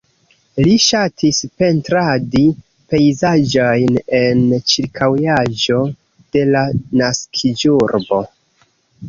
Li ŝatis pentradi pejzaĝojn en ĉirkaŭaĵo de la naskiĝurbo.